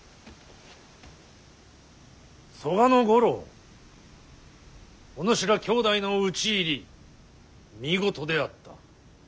曽我五郎おぬしら兄弟の討ち入り見事であった。